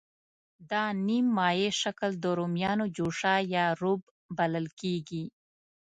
دا نیم مایع شکل د رومیانو جوشه یا روب بلل کېږي.